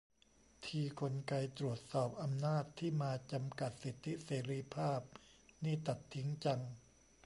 ทีกลไกตรวจสอบอำนาจที่มาจำกัดสิทธิเสรีภาพนี่ตัดทิ้งจัง